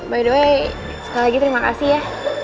by the way sekali lagi terima kasih ya